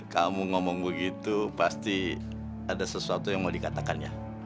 kamu ngomong begitu pasti ada sesuatu yang mau dikatakannya